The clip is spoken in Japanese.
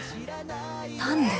何で？